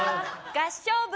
「合唱部」。